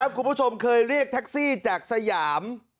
คุณผู้ชมเคยเรียกแท็กซี่จากสยาม